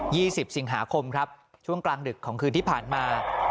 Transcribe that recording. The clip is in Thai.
สิบสิงหาคมครับช่วงกลางดึกของคืนที่ผ่านมา